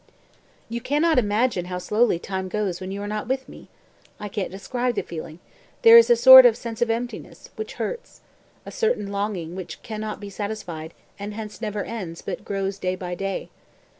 198. "You can not imagine how slowly time goes when you are not with me! I can't describe the feeling; there is a sort of sense of emptiness, which hurts a certain longing which can not be satisfied, and hence never ends, but grows day by day.